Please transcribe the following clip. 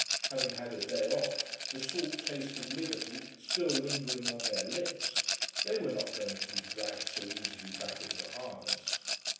Having had a day off, the salt taste of liberty still lingering on their lips, they were not going to be dragged so easily back into harness.